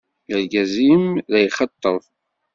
Argaz-im la yxeṭṭeb.